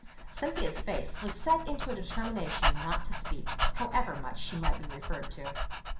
Cynthia's face was set into a determination not to speak, however much she might be referred to.